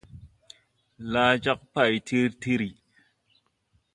Laa jag pay tir, tir, tir.